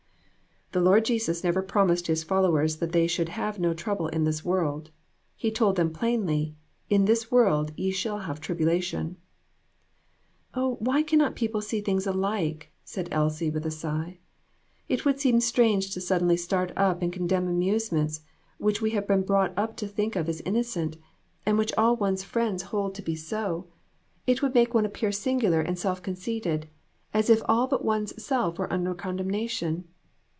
"The Lord Jesus never promised his followers that they should have no trouble in this world. He told them plainly 'In the world ye shall have tribulation '." "Oh, why cannot people see things alike?" said Elsie, with a sigh ;" it would seem strange to suddenly start up and condemn amusements which we have been brought up to think of as innocent, and which all one's friends hold to 3OO AN EVENTFUL AFTERNOON. be so. It would make one appear singular and self conceited, as if all but one's self were under condemnation.